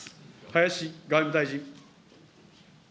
林外務大臣。